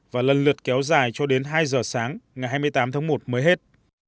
và lần lượt kéo dài cho đến hai giờ sáng ngày hai mươi tám tháng một mới hết